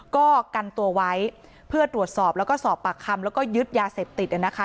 ก็กันตัวไว้เพื่อตรวจสอบแล้วก็สอบปากคำแล้วก็ยึดยาเสพติดนะคะ